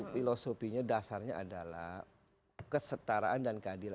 filosofinya dasarnya adalah kesetaraan dan keadilan